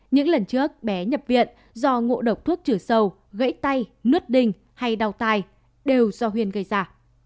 những lần trước bé nhập viện do ngộ độc thuốc chữa sầu gãy tay nuốt đinh hay đau tai đều do huyền gây ra